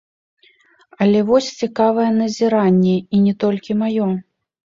Але вось цікавае назіранне, і не толькі маё.